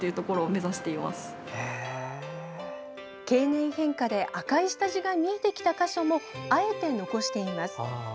経年変化で赤い下地が見えてきた箇所もあえて残しています。